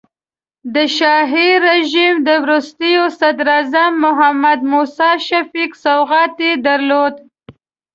د شاهي رژیم د وروستي صدراعظم محمد موسی شفیق سوغات یې درلود.